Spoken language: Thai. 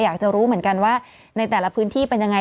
อยากจะรู้เหมือนกันว่าในแต่ละพื้นที่เป็นยังไง